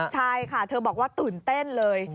ใช่ค่ะเธอบอกว่าตื่นเต้นเลย